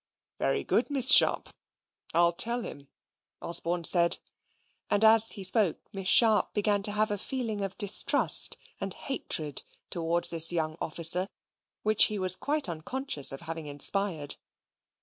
"Very good, Miss Sharp, I'll tell him," Osborne said; and as he spoke Miss Sharp began to have a feeling of distrust and hatred towards this young officer, which he was quite unconscious of having inspired.